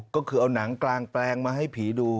ก็คือเอาหนังกลางแปลงมาให้ผีดู